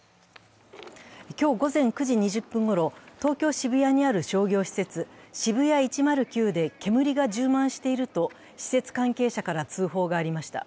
今日午前９時２０分ごろ、東京・渋谷の商業施設、ＳＨＩＢＵＹＡ１０９で煙が充満していると施設関係者から通報がありました。